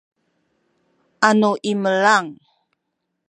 anu imelang